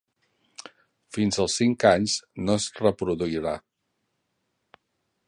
Fins als cinc anys no es reproduirà.